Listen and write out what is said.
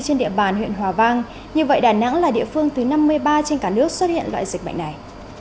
trên địa bàn huyện hòa vang như vậy đà nẵng là địa phương thứ năm mươi ba trên cả nước xuất hiện loại dịch bệnh này